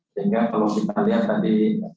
sehingga kalau kita lihat tadi